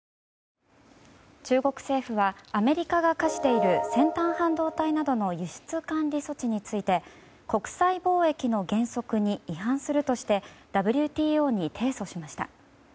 中国政府はアメリカが課している先端半導体の輸出管理措置について国際貿易の原則に違反するとしてＷＴＯに提訴しました。